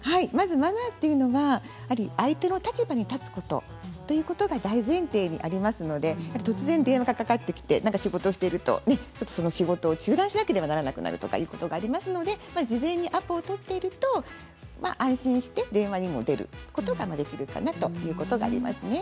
マナーというのは相手の立場に立つということが大前提にありますので突然電話がかかってきて仕事をしているとその仕事を中断しなければならなくなるということがありますので事前にアポを取っていると安心して電話にも出ることができるかなということがありますね。